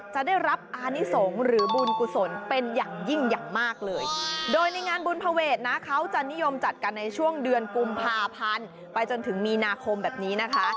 จัดการในช่วงเดือนกุมภาพันธ์ไปจนถึงมีนาคมแบบนี้นะคะ